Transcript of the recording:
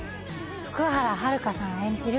福原遥さん演じる